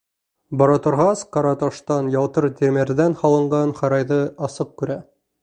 Бара торғас, ҡара таштан, ялтыр тимерҙән һалынған һарайҙы асыҡ күрә.